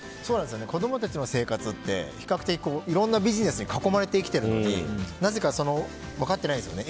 子供たちの生活っていろんなビジネスに囲まれて生きているのになぜか分かってないんですよね。